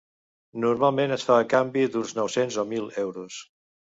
Normalment, es fa a canvi d’uns nou-cents o mil euros.